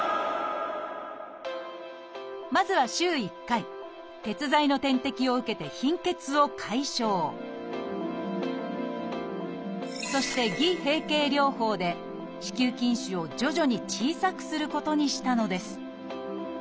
まずは週１回鉄剤の点滴を受けて貧血を解消そして「偽閉経療法」で子宮筋腫を徐々に小さくすることにしたのです。